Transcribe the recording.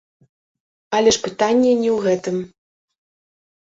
Але ж пытанне не ў гэтым.